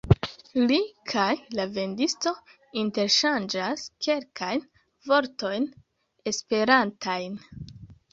Li kaj la vendisto interŝanĝas kelkajn vortojn esperantajn.